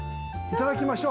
◆いただきます。